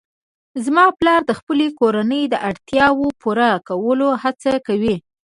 زما پلار د خپلې کورنۍ د اړتیاوو پوره کولو هڅه کوي